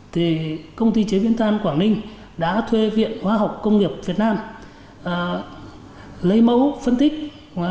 thì công ty chế biến than quảng ninh đã thuê viện hóa học công nghiệp việt nam lấy mấu phân tích